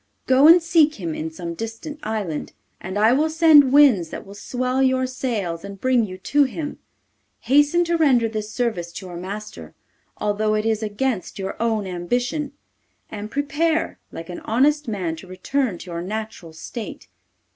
Go and seek him in some distant island, and I will send winds that will swell your sails and bring you to him. Hasten to render this service to your master, although it is against your own ambition, and prepare, like an honest man, to return to your natural state.